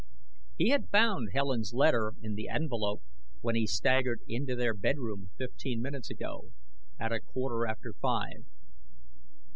] He had found Helen's letter in the envelope when he staggered into their bedroom fifteen minutes ago at a quarter after five.